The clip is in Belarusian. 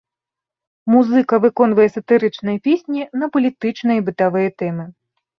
Музыка выконвае сатырычныя песні на палітычныя і бытавыя тэмы.